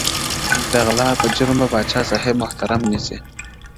د غلا په جرم به پاچاصاب محترم نیسې،